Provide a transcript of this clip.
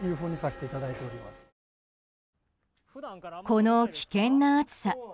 この危険な暑さ。